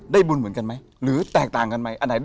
ได้บุญเหมือนกันมั้ยหรือแตกต่างกันมั้ย